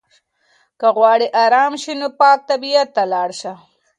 که غواړې ارام شې نو پاک طبیعت ته لاړ شه.